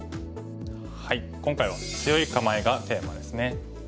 今回は強い構えがテーマですね。